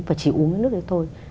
và chỉ uống nước đấy thôi